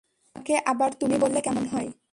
আমাকে আবার তুমি বললে কেমন হয়?